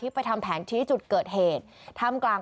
ถ้าหนูทำแบบนั้นพ่อจะไม่มีรับบายเจ้าให้หนูได้เอง